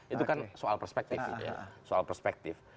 itu kan soal perspektif